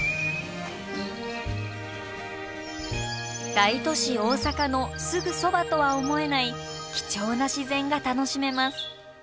大都市大阪のすぐそばとは思えない貴重な自然が楽しめます。